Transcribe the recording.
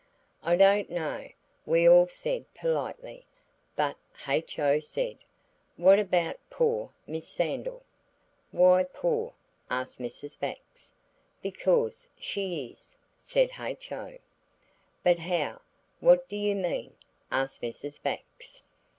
"I don't know," we all said politely. But H.O. said– "What about poor Miss Sandal?" "Why poor?" asked Mrs. Bax. "Because she is," said H.O. "But how? What do you mean?" asked Mrs. Bax.